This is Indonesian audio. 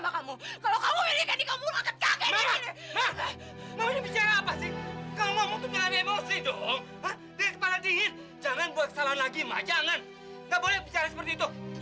kalau kamu gak mau pergi aku pergi sendiri